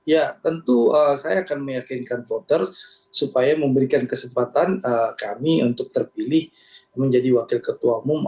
ya tentu saya akan meyakinkan voter supaya memberikan kesempatan kami untuk terpilih menjadi wakil ketua umum